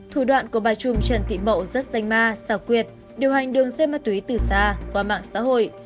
thủ đoạn của bà trùm trần thị mậu rất danh ma xảo quyệt điều hành đường dây ma túy từ xa qua mạng xã hội